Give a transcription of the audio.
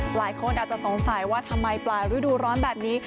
หลายคนอาจจะสงสัยว่าทำไมปลายฤดูร้อนแบบนี้